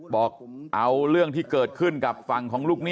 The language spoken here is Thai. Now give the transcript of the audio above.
บอกเอาเรื่องที่เกิดขึ้นกับฝั่งของลูกหนี้